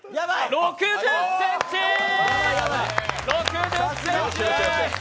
６０ｃｍです！